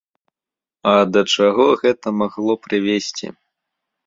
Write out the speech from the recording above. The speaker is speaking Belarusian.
А да чаго гэта магло прывесці?